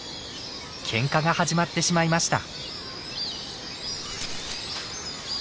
けんかが始まってしまいました。